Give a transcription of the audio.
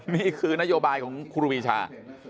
นี่คือนโยบายของครูปีชา